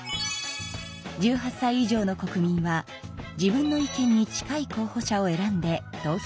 １８さい以上の国民は自分の意見に近い候ほ者を選んで投票します。